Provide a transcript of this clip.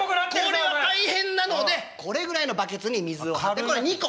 これは大変なのでこれぐらいのバケツに水を張ってこれを２個。